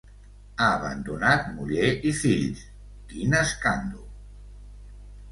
Ha abandonat muller i fills: quin escàndol!